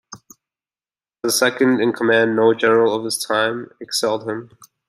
As a second-in-command no general of his time excelled him.